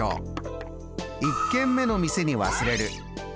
１軒目の店に忘れる。